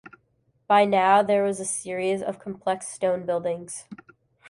By now there was a series of complex stone buildings.